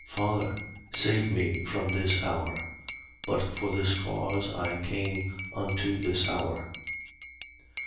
Father, save me from this hour. But for this cause I came unto this hour.